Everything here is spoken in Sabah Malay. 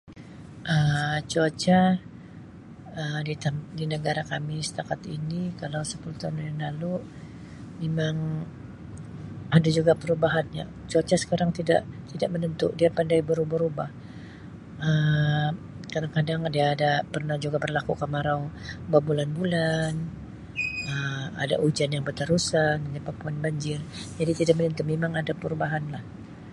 Um Cuaca Um di tem- di negara kami setakat ini kalau sepuluh tahun yang lalu memang ada juga perubahannya. Cuaca sekarang tidak-tidak menentu, dia pandai berubah-rubah. Um Kadang-kadang dia ada pernah juga berlaku kemarau babulan-bulan Um ada hujan yang berterusan menyebabkan banjir jadi tidak menentu memang ada perubahanlah.